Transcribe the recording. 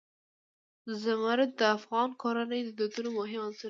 زمرد د افغان کورنیو د دودونو مهم عنصر دی.